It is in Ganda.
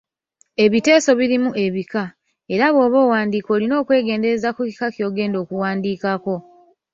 Ebiteeso birimu ebika, era bw’oba muwandiisi olina okwegendereza ku kika ky’ogenda okuwandiikako,